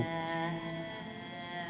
saya sering berkata